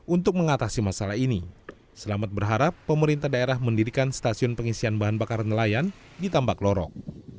untuk mengatasi masalah ini selamat berharap pemerintah daerah mendirikan stasiun pengisian bahan bakar nelayan di tambak lorong